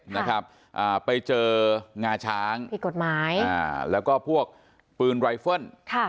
นะครับอ่าไปเจองาช้างผิดกฎหมายอ่าแล้วก็พวกปืนไวเฟิลค่ะ